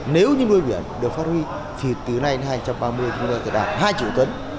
nếu như nuôi biển được phát huy thì từ nay đến hai nghìn ba mươi chúng ta sẽ đạt hai triệu tấn